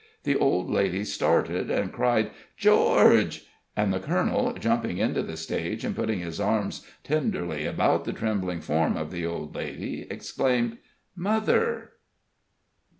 The old lady started, and cried: "George!" And the colonel, jumping into the stage, and putting his arms tenderly about the trembling form of the old lady, exclaimed: "Mother!"